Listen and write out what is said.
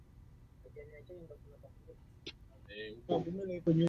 mahakama ya kikatiba imeondoa kifungu ambacho